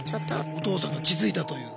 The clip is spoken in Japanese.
お義父さんが気付いたという。